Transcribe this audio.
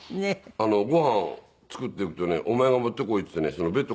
ご飯作っていくとねお前が持ってこいっていってね